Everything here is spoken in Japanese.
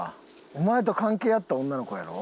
お前と関係あった女の子やろ？